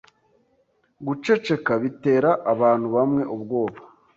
Guceceka bitera abantu bamwe ubwoba.